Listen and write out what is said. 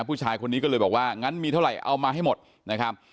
ผู้ชายคนนี้ก็เลยบอกว่างั้นมีเท่าไหร่เอามาให้หมดนะครับ